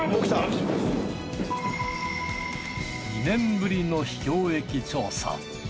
２年ぶりの秘境駅調査。